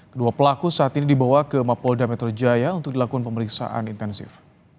kedua pelaku saat ini dibawa ke mapolda metro jaya untuk dilakukan pemeriksaan intensif